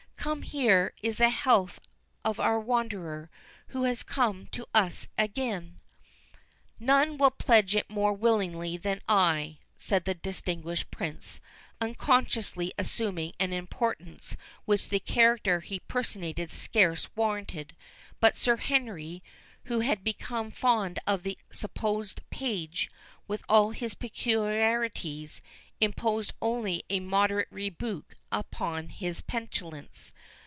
—Come, here is a health to our wanderer, who has come to us again." "None will pledge it more willingly than I," said the disguised Prince, unconsciously assuming an importance which the character he personated scarce warranted; but Sir Henry, who had become fond of the supposed page, with all his peculiarities, imposed only a moderate rebuke upon his petulance.